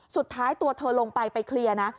สุดท้ายตัวเธอลงไปไปเคลียร์นะ